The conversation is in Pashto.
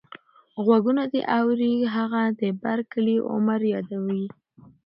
غوږونه دې اوري هغه د بر کلي عمر يادوې.